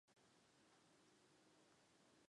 月台的延长导致车站有少许偏差。